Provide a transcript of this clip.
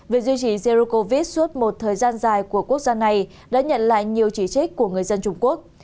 việc duy trì erdocov suốt một thời gian dài của quốc gia này đã nhận lại nhiều chỉ trích của người dân trung quốc